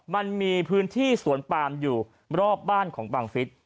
มันมีพื้นที่สวนปามอยู่รอบบ้านของบังฟิศ